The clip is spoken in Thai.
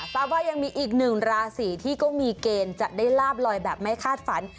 ทราบว่ายังมีอีกหนึ่งราศีที่ก็มีเกณฑ์จะได้ลาบลอยแบบไม่คาดฝัน